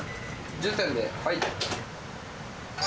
１０点で、はい。